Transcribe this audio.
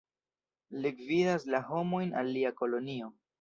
Li gvidas la homojn al lia kolonio.